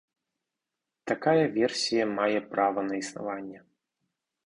Такая версія мае права на існаванне.